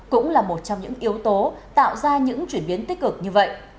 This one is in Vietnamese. cũng là một trong những yếu tố tạo ra những chuyển biến tích cực như vậy